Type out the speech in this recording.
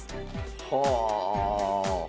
はあ！